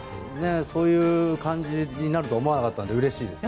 そういう感じになるとは思わなかったのでうれしいです。